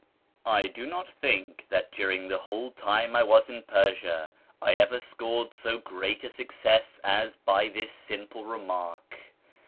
I do not think that during the whole time I was in Persia I ever scored so great a success as by this simple remark.